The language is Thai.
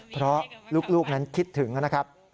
เพราะลูกนั้นคิดถึงนะครับ